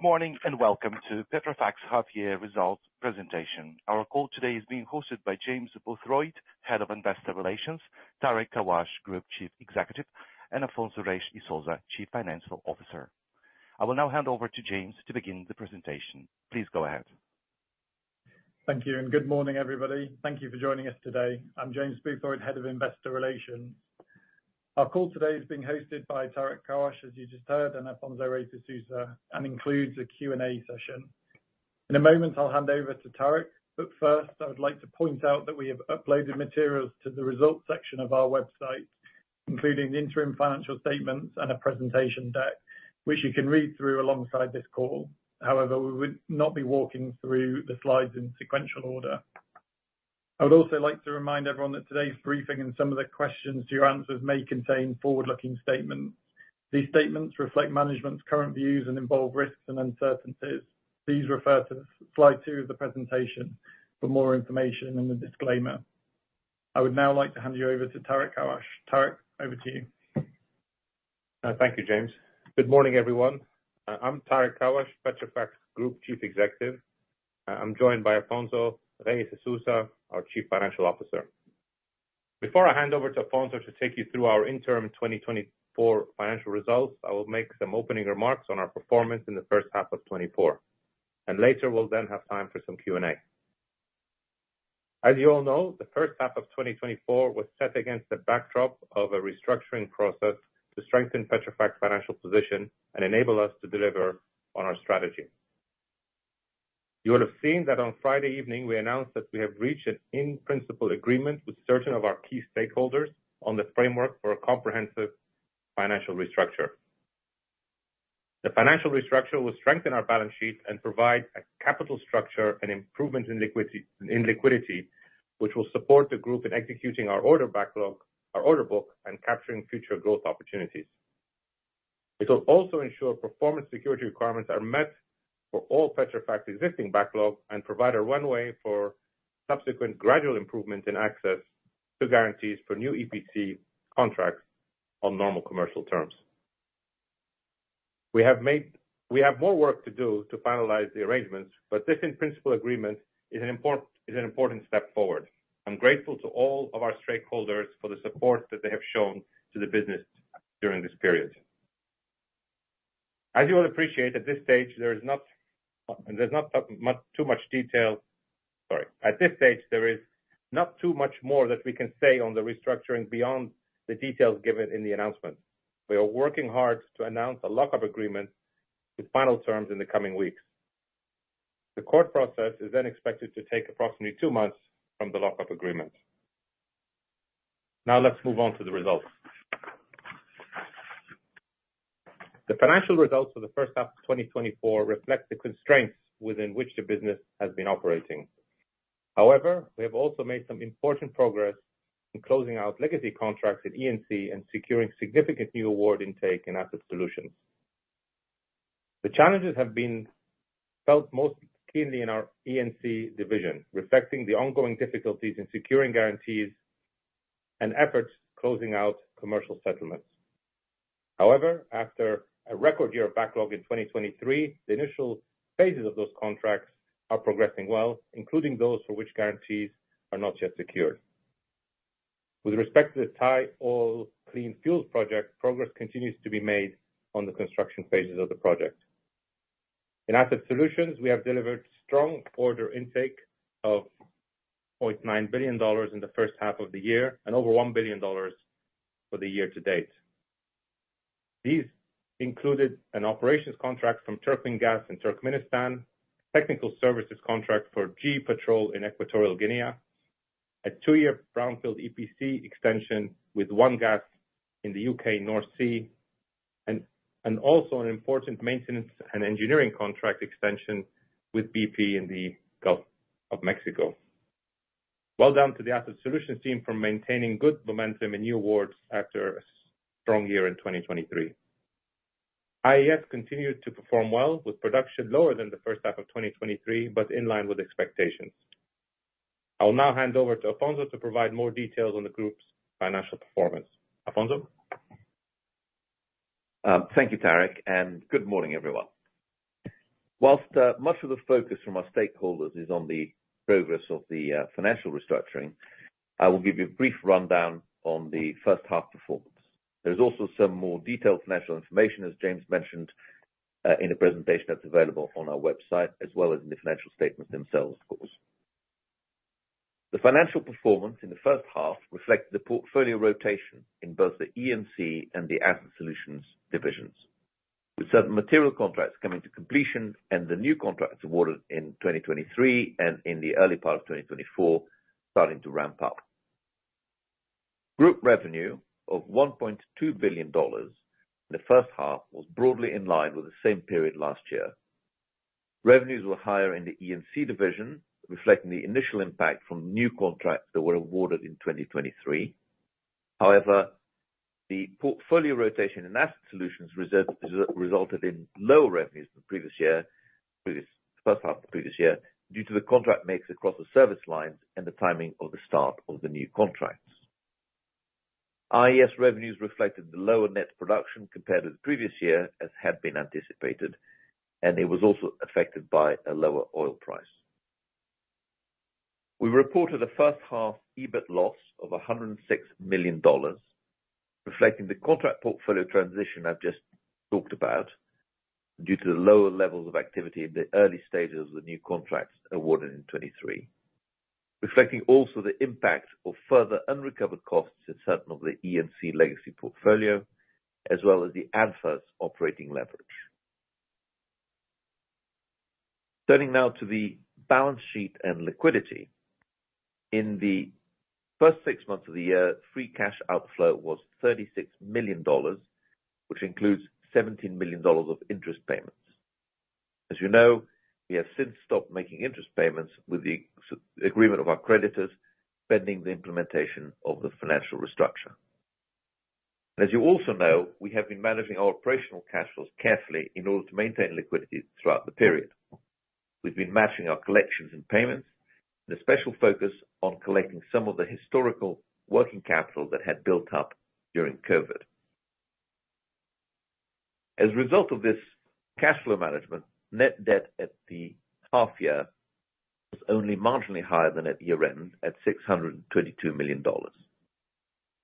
Good morning, and welcome to Petrofac's Half Year Results Presentation. Our call today is being hosted by James Boothroyd, Head of Investor Relations, Tareq Kawash, Group Chief Executive, and Afonso Reis e Sousa, Chief Financial Officer. I will now hand over to James to begin the presentation. Please go ahead. Thank you, and good morning, everybody. Thank you for joining us today. I'm James Boothroyd, Head of Investor Relations. Our call today is being hosted by Tareq Kawash, as you just heard, and Afonso Reis e Sousa, and includes a Q&A session. In a moment, I'll hand over to Tareq, but first, I would like to point out that we have uploaded materials to the results section of our website, including the interim financial statements and a presentation deck, which you can read through alongside this call. However, we will not be walking through the slides in sequential order. I would also like to remind everyone that today's briefing and some of the questions to your answers may contain forward-looking statements. These statements reflect management's current views and involve risks and uncertainties. Please refer to slide two of the presentation for more information and the disclaimer. I would now like to hand you over to Tareq Kawash. Tareq, over to you. Thank you, James. Good morning, everyone. I'm Tareq Kawash, Petrofac's Group Chief Executive. I'm joined by Afonso Reis e Sousa, our Chief Financial Officer. Before I hand over to Afonso to take you through our interim 2024 financial results, I will make some opening remarks on our performance in the first half of 2024, and later, we'll then have time for some Q&A. As you all know, the first half of 2024 was set against the backdrop of a restructuring process to strengthen Petrofac's financial position and enable us to deliver on our strategy. You will have seen that on Friday evening, we announced that we have reached an in principle agreement with certain of our key stakeholders on the framework for a comprehensive financial restructure. The financial restructure will strengthen our balance sheet and provide a capital structure and improvement in liquidity, which will support the group in executing our order backlog, our order book, and capturing future growth opportunities. It will also ensure performance security requirements are met for all Petrofac's existing backlog and provide a runway for subsequent gradual improvements in access to guarantees for new EPC contracts on normal commercial terms. We have more work to do to finalize the arrangements, but this in principle agreement is an important step forward. I'm grateful to all of our stakeholders for the support that they have shown to the business during this period. As you all appreciate, at this stage, there is not, there's not much, too much detail. Sorry. At this stage, there is not too much more that we can say on the restructuring beyond the details given in the announcement. We are working hard to announce a lock-up agreement with final terms in the coming weeks. The court process is then expected to take approximately two months from the lock-up agreement. Now, let's move on to the results. The financial results for the first half of 2024 reflect the constraints within which the business has been operating. However, we have also made some important progress in closing out legacy contracts at E&C and securing significant new award intake and Asset Solutions. The challenges have been felt most keenly in our E&C division, reflecting the ongoing difficulties in securing guarantees and efforts closing out commercial settlements. However, after a record year of backlog in 2023, the initial phases of those contracts are progressing well, including those for which guarantees are not yet secured. With respect to the Thai Oil Clean Fuel Project, progress continues to be made on the construction phases of the project. In Asset Solutions, we have delivered strong order intake of $0.9 billion in the first half of the year and over $1 billion for the year to date. These included an operations contract from TurkmenGaz in Turkmenistan, technical services contract for GEPetrol in Equatorial Guinea, a two-year brownfield EPC extension with ONE Gas in the U.K. North Sea, and also an important maintenance and engineering contract extension with BP in the Gulf of Mexico. Well done to the Asset Solutions team for maintaining good momentum and new awards after a strong year in 2023. IES continued to perform well, with production lower than the first half of 2023, but in line with expectations. I will now hand over to Afonso to provide more details on the group's financial performance. Afonso? Thank you, Tareq, and good morning, everyone. While, much of the focus from our stakeholders is on the progress of the financial restructuring, I will give you a brief rundown on the first half performance. There is also some more detailed financial information, as James mentioned, in the presentation that's available on our website, as well as in the financial statements themselves, of course. The financial performance in the first half reflected the portfolio rotation in both the E&C and the Asset Solutions divisions, with certain material contracts coming to completion and the new contracts awarded in 2023 and in the early part of 2024, starting to ramp up. Group revenue of $1.2 billion in the first half was broadly in line with the same period last year. Revenues were higher in the E&C division, reflecting the initial impact from new contracts that were awarded in 2023. However, the portfolio rotation in Asset Solutions resulted in lower revenues than the first half of the previous year, due to the contract mix across the service lines and the timing of the start of the new contracts. IES revenues reflected the lower net production compared to the previous year, as had been anticipated, and it was also affected by a lower oil price. We reported a first half EBIT loss of $106 million, reflecting the contract portfolio transition I've just talked about, due to the lower levels of activity in the early stages of the new contracts awarded in 2023. Reflecting also the impact of further unrecovered costs in certain of the E&C legacy portfolio, as well as the amortization's operating leverage. Turning now to the balance sheet and liquidity. In the first six months of the year, free cash outflow was $36 million, which includes $17 million of interest payments. As you know, we have since stopped making interest payments with the standstill agreement of our creditors, pending the implementation of the financial restructure. As you also know, we have been managing our operational cash flows carefully in order to maintain liquidity throughout the period. We've been matching our collections and payments, with a special focus on collecting some of the historical working capital that had built up during COVID. As a result of this cash flow management, net debt at the half year was only marginally higher than at year-end, at $632 million.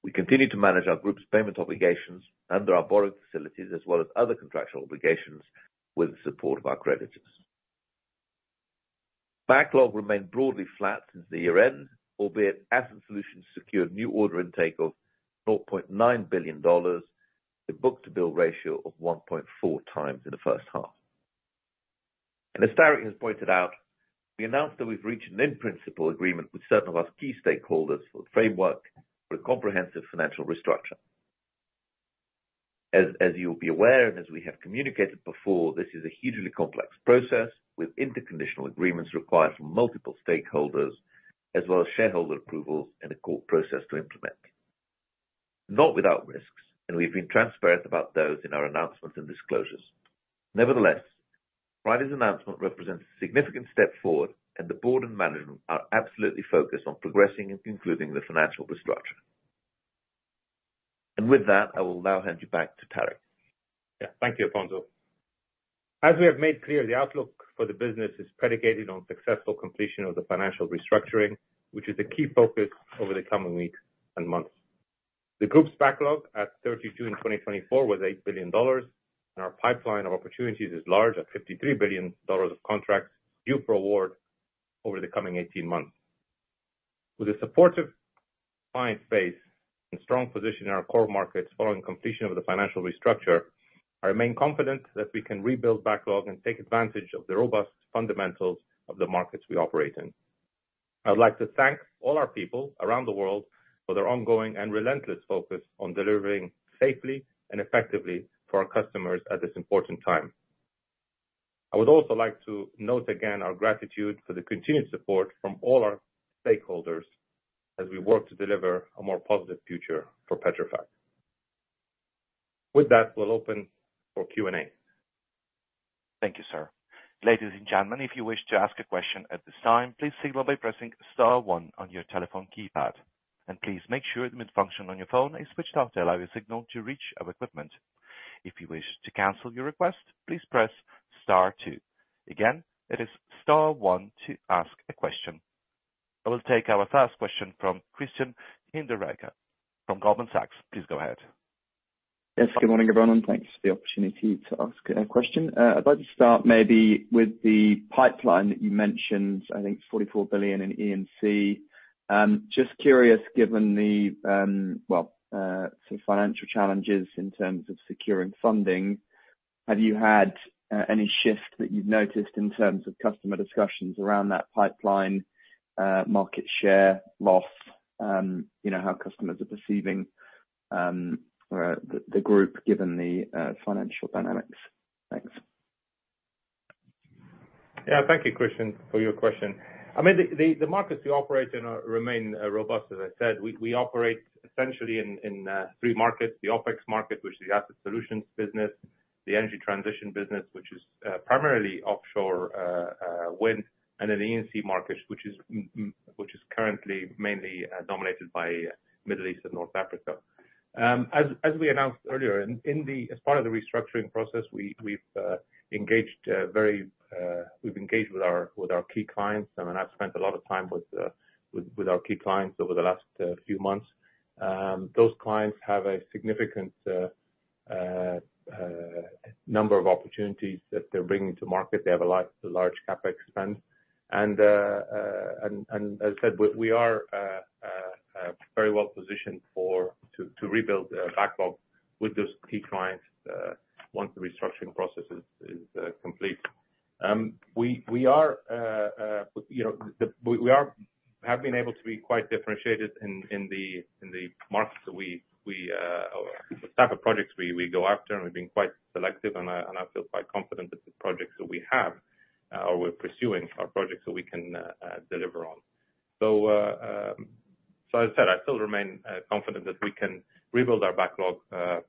We continue to manage our group's payment obligations under our borrowing facilities, as well as other contractual obligations, with the support of our creditors. Backlog remained broadly flat since the year-end, albeit Asset Solutions secured new order intake of $4.9 billion, a book-to-bill ratio of 1.4x in the first half, and as Tareq has pointed out, we announced that we've reached an in principle agreement with certain of our key stakeholders for the framework for a comprehensive financial restructure. As you'll be aware, and as we have communicated before, this is a hugely complex process, with interconditional agreements required from multiple stakeholders, as well as shareholder approvals and a court process to implement. Not without risks, and we've been transparent about those in our announcements and disclosures. Nevertheless, Friday's announcement represents a significant step forward, and the board and management are absolutely focused on progressing and concluding the financial restructure, and with that, I will now hand you back to Tareq. Yeah. Thank you, Afonso. As we have made clear, the outlook for the business is predicated on successful completion of the financial restructuring, which is a key focus over the coming weeks and months. The group's backlog at 3Q in 2024 was $8 billion, and our pipeline of opportunities is large, at $53 billion of contracts due for award over the coming 18 months. With a supportive client base and strong position in our core markets following completion of the financial restructure, I remain confident that we can rebuild backlog and take advantage of the robust fundamentals of the markets we operate in. I would like to thank all our people around the world for their ongoing and relentless focus on delivering safely and effectively to our customers at this important time. I would also like to note again our gratitude for the continued support from all our stakeholders as we work to deliver a more positive future for Petrofac. With that, we'll open for Q&A. Thank you, sir. Ladies and gentlemen, if you wish to ask a question at this time, please signal by pressing star one on your telephone keypad, and please make sure the mute function on your phone is switched off to allow your signal to reach our equipment. If you wish to cancel your request, please press star two. Again, it is star one to ask a question. I will take our first question from Christian Hinderaker from Goldman Sachs. Please go ahead. Yes, good morning, everyone, and thanks for the opportunity to ask a question. I'd like to start maybe with the pipeline that you mentioned, I think $44 billion in E&C. Just curious, given the, well, sort of financial challenges in terms of securing funding, have you had, any shift that you've noticed in terms of customer discussions around that pipeline, market share, loss, you know, how customers are perceiving, the group given the, financial dynamics? Thanks. Yeah. Thank you, Christian, for your question. I mean, the markets we operate in remain robust. As I said, we operate essentially in three markets: the OpEx market, which is the Asset Solutions business, the Energy Transition business, which is primarily offshore wind, and an E&C market, which is currently mainly dominated by Middle East and North Africa. As we announced earlier, as part of the restructuring process, we've engaged with our key clients, and I've spent a lot of time with our key clients over the last few months. Those clients have a significant number of opportunities that they're bringing to market. They have a large CapEx spend, and as I said, we are very well positioned to rebuild the backlog with those key clients once the restructuring process is complete. We are, you know, have been able to be quite differentiated in the markets that we or the type of projects we go after, and we've been quite selective, and I feel quite confident that the projects that we have or we're pursuing are projects that we can deliver on. So as I said, I still remain confident that we can rebuild our backlog once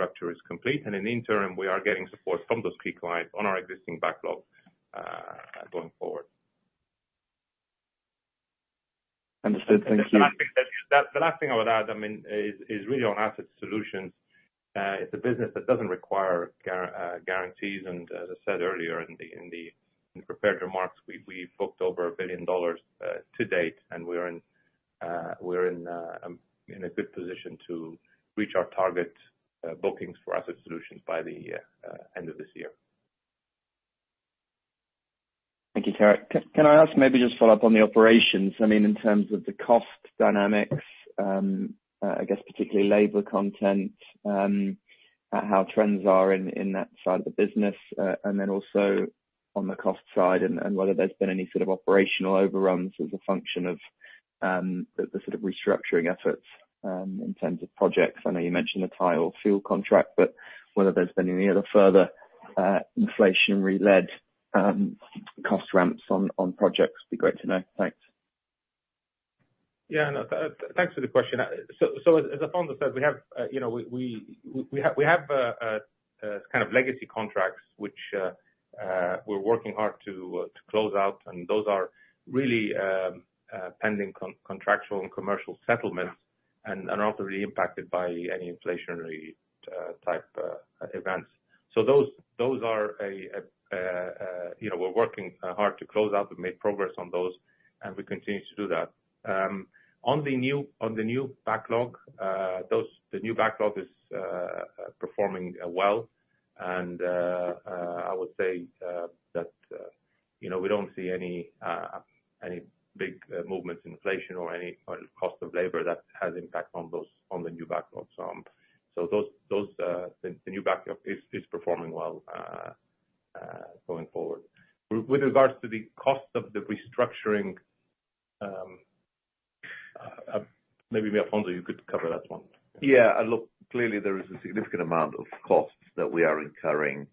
the restructure is complete. And in the interim, we are getting support from those key clients on our existing backlog, going forward. Understood. Thank you. The last thing I would add, I mean, is really on Asset Solutions. It's a business that doesn't require guarantees, and as I said earlier in the prepared remarks, we've booked over $1 billion to date, and we're in a good position to reach our target bookings for Asset Solutions by the end of this year. Thank you, Tareq. Can I ask maybe just follow up on the operations? I mean, in terms of the cost dynamics, I guess particularly labor content, how trends are in that side of the business, and then also on the cost side, and whether there's been any sort of operational overruns as a function of the sort of restructuring efforts in terms of projects. I know you mentioned the Thai fuel contract, but whether there's been any other further inflationary-led cost ramps on projects, be great to know. Thanks. Yeah, no, thanks for the question. So as Afonso said, we have, you know, we have kind of legacy contracts, which we're working hard to close out, and those are really pending contractual and commercial settlements, and are not really impacted by any inflationary type events. So those are, you know, we're working hard to close out and make progress on those, and we continue to do that. On the new backlog, those, the new backlog is performing well. And, I would say that, you know, we don't see any big movements in inflation or any cost of labor that has impact on those, on the new backlog. So, the new backlog is performing well, going forward. With regards to the cost of the restructuring, maybe Afonso, you could cover that one. Yeah. Look, clearly there is a significant amount of costs that we are incurring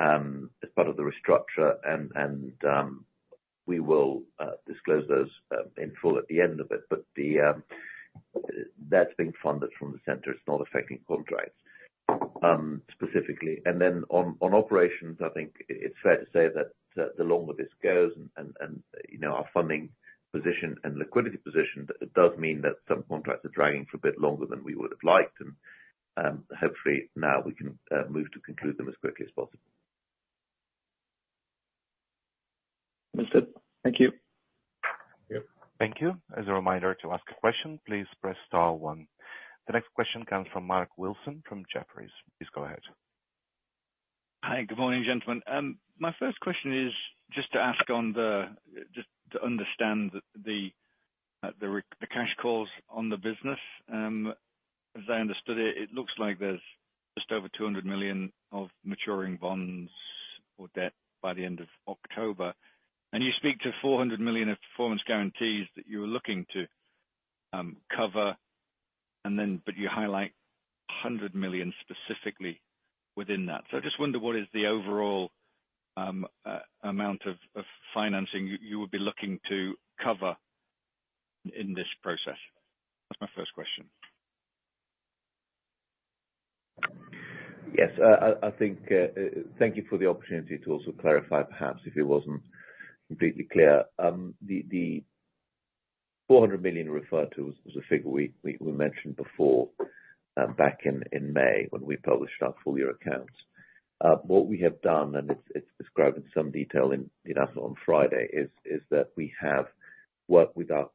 as part of the restructure, and we will disclose those in full at the end of it. But that's being funded from the center. It's not affecting contracts specifically. And then on operations, I think it's fair to say that the longer this goes and you know, our funding position and liquidity position, it does mean that some contracts are dragging for a bit longer than we would have liked, and hopefully now we can move to conclude them as quickly as possible. Understood. Thank you. Yep. Thank you. As a reminder, to ask a question, please press star one. The next question comes from Mark Wilson, from Jefferies. Please go ahead. Hi, good morning, gentlemen. My first question is just to understand the cash calls on the business. As I understood it, it looks like there's just over $200 million of maturing bonds or debt by the end of October, and you speak to $400 million of performance guarantees that you were looking to cover, but you highlight $100 million specifically within that. So I just wonder what is the overall amount of financing you would be looking to cover in this process. That's my first question. Yes, I think, thank you for the opportunity to also clarify, perhaps, if it wasn't completely clear. The $400 million referred to was a figure we mentioned before, back in May when we published our full year accounts. What we have done, and it's described in some detail in the announcement on Friday, is that we have worked with our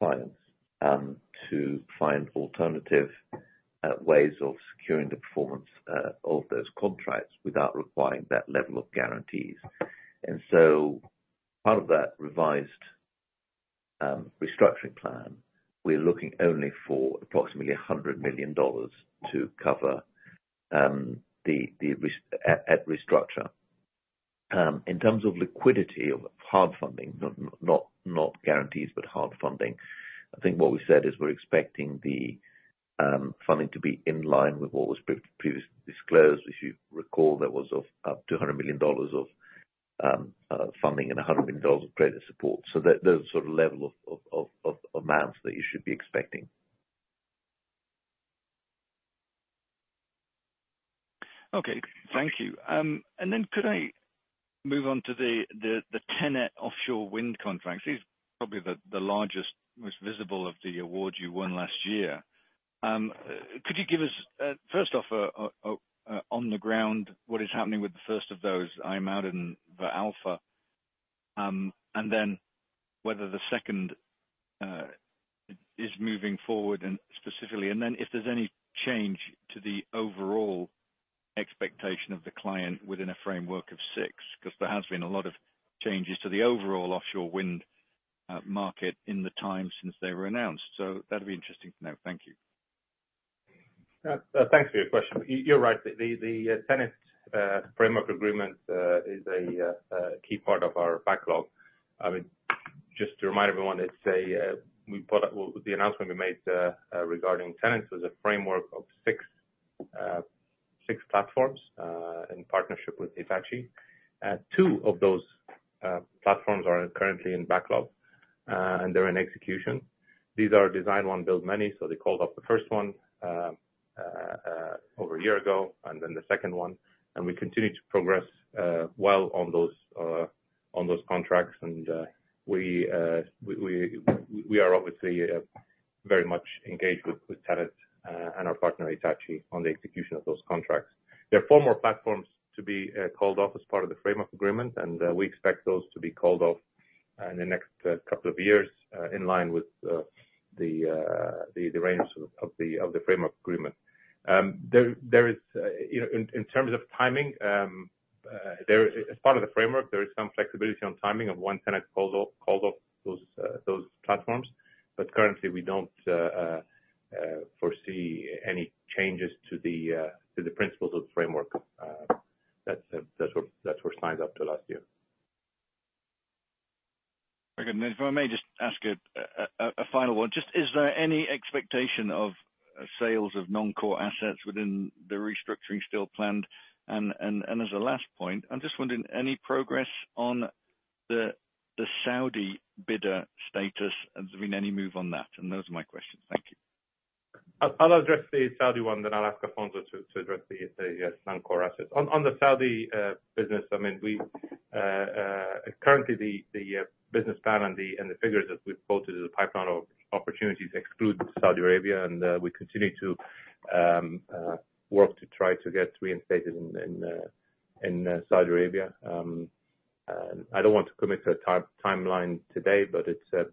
clients, to find alternative ways of securing the performance, of those contracts without requiring that level of guarantees. And so part of that revised restructuring plan, we're looking only for approximately $100 million to cover the restructuring. In terms of liquidity of hard funding, not guarantees, but hard funding, I think what we said is we're expecting the funding to be in line with what was previously disclosed. If you recall, there was up to $200 million of funding and $100 million of credit support. So that, there's a sort of level of amounts that you should be expecting. Okay. Thank you, and then could I move on to the TenneT offshore wind contracts? These are probably the largest, most visible of the awards you won last year. Could you give us first off on the ground what is happening with the first of those, the Alpha, and then whether the second is moving forward and specifically, and then if there is any change to the overall expectation of the client within a framework of six, because there has been a lot of changes to the overall offshore wind market in the time since they were announced, so that'd be interesting to know. Thank you. Thanks for your question. You're right, the TenneT framework agreement is a key part of our backlog. I mean, just to remind everyone, the announcement we made regarding TenneT was a framework of six platforms in partnership with Hitachi. Two of those platforms are currently in backlog and they're in execution. These are design one, build many, so they called off the first one over a year ago, and then the second one. We continue to progress well on those contracts. We are obviously very much engaged with TenneT and our partner, Hitachi, on the execution of those contracts. There are four more platforms to be called off as part of the framework agreement, and we expect those to be called off in the next couple of years in line with the range of the framework agreement. There is, you know, in terms of timing, as part of the framework, there is some flexibility on timing of when TenneT calls off those platforms, but currently, we don't foresee any changes to the principles of the framework. That's what we signed up to last year. Very good. And if I may just ask a final one, just is there any expectation of sales of non-core assets within the restructuring still planned? And as a last point, I'm just wondering, any progress on the Saudi bidder status, and has there been any move on that? And those are my questions. Thank you. I'll address the Saudi one, then I'll ask Afonso to address the non-core assets. On the Saudi business, I mean, currently the business plan and the figures that we've quoted as a pipeline of opportunities exclude Saudi Arabia, and we continue to work to try to get reinstated in Saudi Arabia, and I don't want to commit to a timeline today, but it's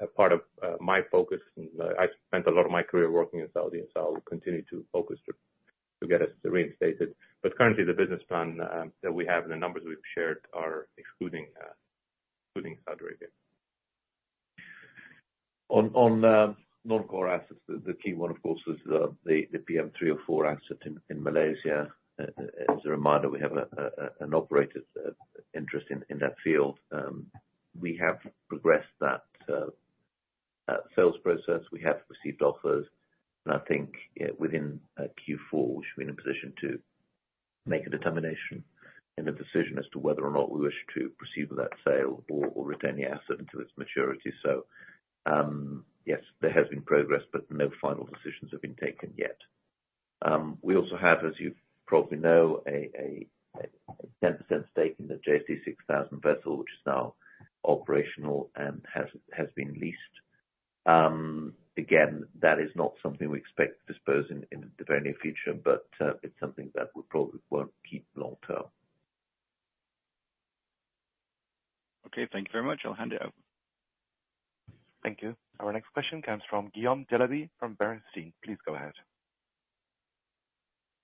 a part of my focus, and I've spent a lot of my career working in Saudi, and so I'll continue to focus to get us reinstated, but currently, the business plan that we have and the numbers we've shared are excluding Saudi Arabia. On non-core assets, the key one, of course, is the PM304 asset in Malaysia. As a reminder, we have an operated interest in that field. We have progressed that sales process. We have received offers, and I think within Q4, we should be in a position to make a determination and a decision as to whether or not we wish to proceed with that sale or retain the asset into its maturity. So, yes, there has been progress, but no final decisions have been taken yet. We also have, as you probably know, a 10% stake in the JSD6000 vessel, which is now operational and has been leased. Again, that is not something we expect to dispose in the very near future, but it's something that we probably won't keep long term. Okay, thank you very much. I'll hand it over. Thank you. Our next question comes from Guillaume Delaby from Bernstein. Please go ahead.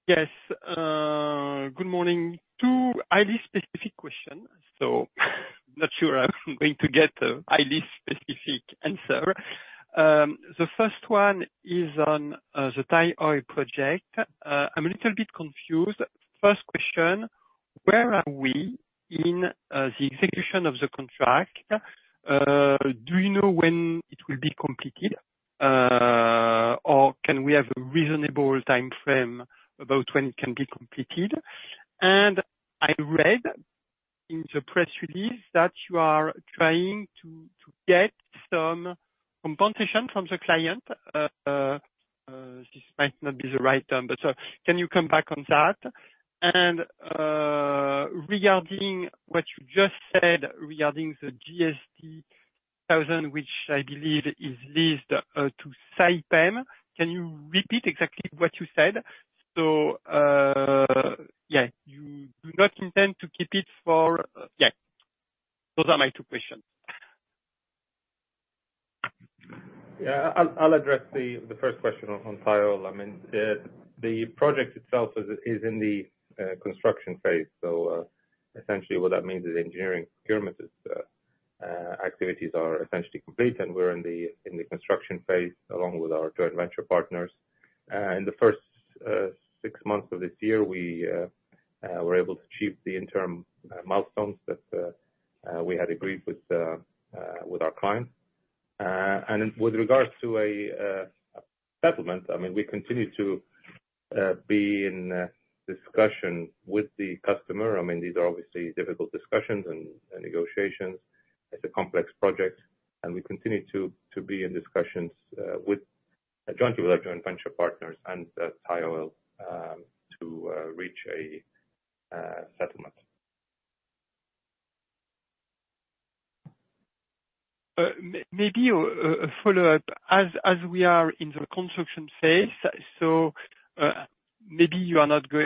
Yes, good morning. Two highly specific questions. So not sure I'm going to get a highly specific answer. The first one is on the Thai Oil project. I'm a little bit confused. First question, where are we in the execution of the contract? Do you know when it will be completed, or can we have a reasonable timeframe about when it can be completed? And I read in the press release that you are trying to get some compensation from the client. This might not be the right term, but can you come back on that? And regarding what you just said, regarding the JSD6000, which I believe is leased to Saipem, can you repeat exactly what you said? So yeah, you do not intend to keep it for. Yeah. Those are my two questions. Yeah, I'll address the first question on Thai Oil. I mean, the project itself is in the construction phase. So, essentially what that means is engineering procurement activities are essentially complete, and we're in the construction phase, along with our joint venture partners. In the first six months of this year, we were able to achieve the interim milestones that we had agreed with our client. And with regards to a settlement, I mean, we continue to be in discussion with the customer. I mean, these are obviously difficult discussions and negotiations. It's a complex project, and we continue to be in discussions with, jointly with our joint venture partners and Thai Oil, to reach a settlement. Maybe a follow-up. As we are in the construction phase, so maybe,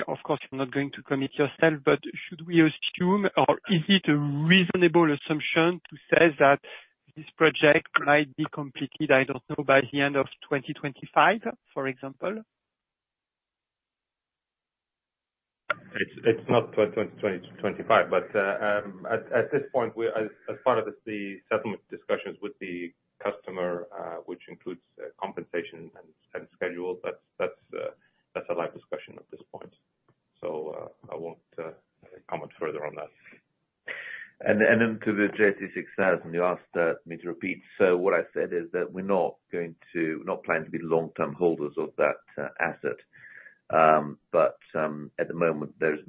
of course, you're not going to commit yourself, but should we assume, or is it a reasonable assumption to say that this project might be completed, I don't know, by the end of 2025, for example? It's not 2025, but at this point, we're... As part of the settlement discussions with the customer, which includes compensation and schedule, that's a live discussion at this point. So, I won't comment further on that. And then to the JSD6000, you asked me to repeat. So what I said is that we're not going to, not planning to be long-term holders of that asset. But at the moment, there are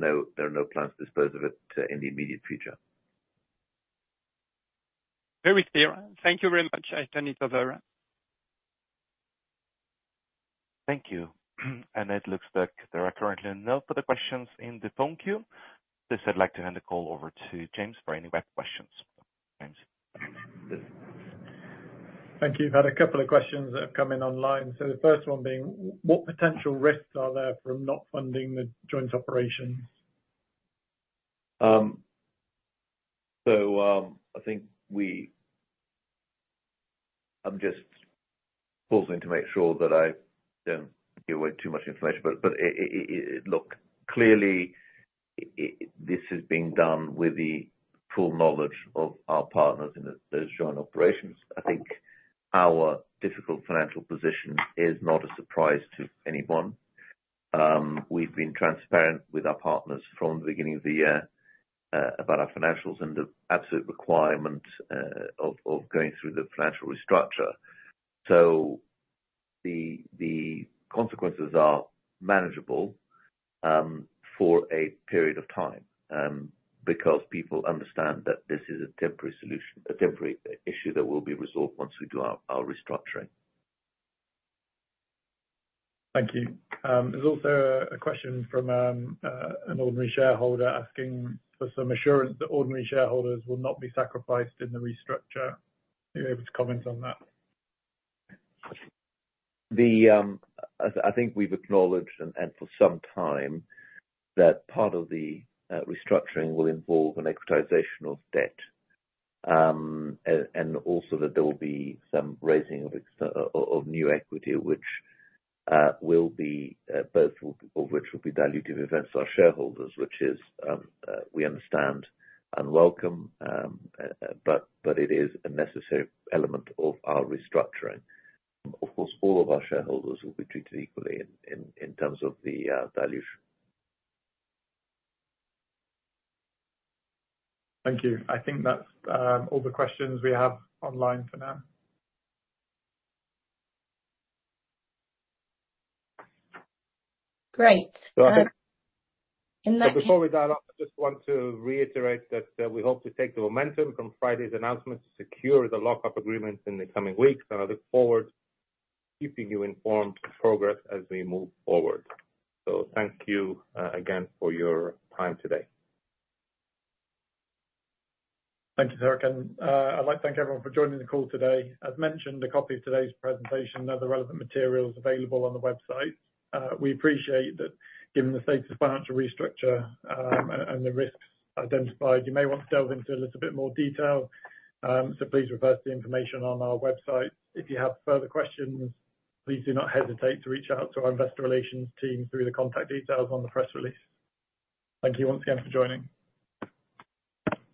no plans to dispose of it in the immediate future. Very clear. Thank you very much, I turn it over. Thank you. And it looks like there are currently no further questions in the phone queue. Please, I'd like to hand the call over to James for any back questions. James? Thank you. I've had a couple of questions that have come in online. So the first one being, what potential risks are there from not funding the joint operations? I think we-- I'm just pausing to make sure that I don't give away too much information. But look, clearly, this is being done with the full knowledge of our partners in those joint operations. I think our difficult financial position is not a surprise to anyone. We've been transparent with our partners from the beginning of the year about our financials and the absolute requirement of going through the financial restructure. So the consequences are manageable for a period of time because people understand that this is a temporary solution, a temporary issue that will be resolved once we do our restructuring. Thank you. There's also a question from an ordinary shareholder asking for some assurance that ordinary shareholders will not be sacrificed in the restructure. Are you able to comment on that? I think we've acknowledged, and for some time, that part of the restructuring will involve an equitization of debt, and also that there will be some raising of new equity, both of which will be dilutive events to our shareholders, which we understand and welcome, but it is a necessary element of our restructuring. Of course, all of our shareholders will be treated equally in terms of the dilution. Thank you. I think that's all the questions we have online for now. Great. And that- But before we dial up, I just want to reiterate that, we hope to take the momentum from Friday's announcement to secure the lock-up agreement in the coming weeks, and I look forward to keeping you informed of progress as we move forward. So thank you, again, for your time today. Thank you, Serkan. I'd like to thank everyone for joining the call today. As mentioned, a copy of today's presentation and other relevant materials are available on the website. We appreciate that given the state of the financial restructure, and the risks identified, you may want to delve into a little bit more detail. So please refer to the information on our website. If you have further questions, please do not hesitate to reach out to our investor relations team through the contact details on the press release. Thank you once again for joining.